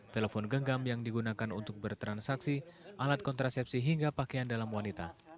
telepon genggam yang digunakan untuk bertransaksi alat kontrasepsi hingga pakaian dalam wanita